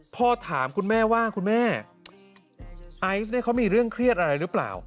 พ่อถามคุณแม่ว่าคุณแม่ไอซ์เนี่ยเขามีเรื่องเครียดอะไรหรือเปล่า